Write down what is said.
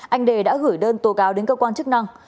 anh đề đã gửi đơn tố cáo đến cơ quan chức năng